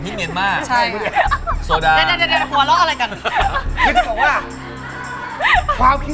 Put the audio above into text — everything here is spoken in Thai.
แต่พอจะดู